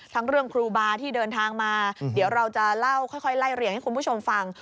ทั้งเรื่องครูบาที่เดินทางมาเดี๋ยวเราจะเล่าค่อยไล่เรียงให้คุณผู้ชมฟัง